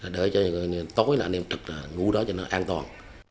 để cho những người tối là nên thực là ngủ đó cho nó an toàn